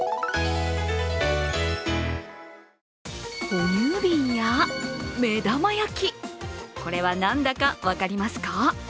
ほ乳瓶や目玉焼き、これは何だか分かりますか？